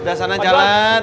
udah sana jalan